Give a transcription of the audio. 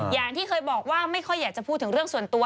อย่างที่เคยบอกว่าไม่ค่อยอยากจะพูดถึงเรื่องส่วนตัว